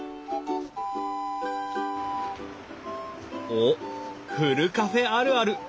おっふるカフェあるある。